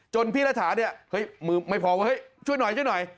พี่รัฐาเนี่ยเฮ้ยมือไม่พอเฮ้ยช่วยหน่อยช่วยหน่อย